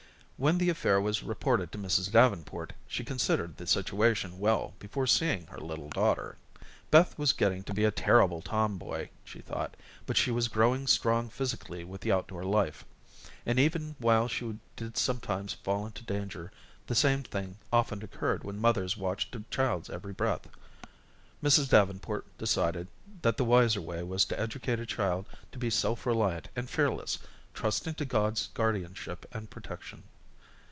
When the affair was reported to Mrs. Davenport, she considered the situation well before seeing her little daughter. Beth was getting to be a terrible tomboy, she thought, but she was growing strong physically with the outdoor life. And even while she did sometimes fall into danger, the same thing often occurred when mothers watched a child's every breath. Mrs. Davenport decided that the wiser way was to educate a child to be self reliant and fearless, trusting to God's guardianship and protection.